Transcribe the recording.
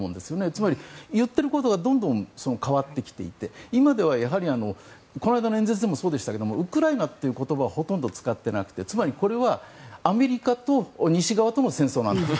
つまり、言ってることがどんどん変わってきていて今ではこの間の演説でもそうでしたがウクライナという言葉をほとんど使っていなくてつまり、これはアメリカと西側との戦争なんだと。